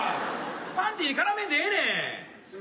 パンティーに絡めんでええねん。